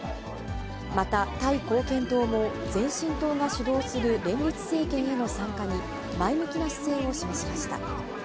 また、タイ貢献党も前進党が主導する連立政権への参加に前向きな姿勢を示しました。